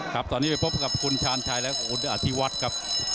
ครับตอนนี้ไปพบกับคุณชาญชัยและของคุณอธิวัฒน์ครับ